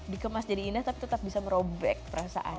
dikemas jadi indah tapi tetap bisa merobek perasaan